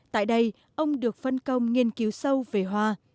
tại đây ông được phân công nghiên cứu sâu về hoa